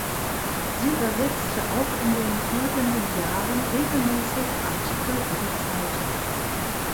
Sie übersetzte auch in den folgenden Jahren regelmäßig Artikel für die Zeitung.